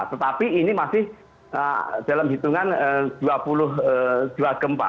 tetapi ini masih dalam hitungan dua puluh dua gempa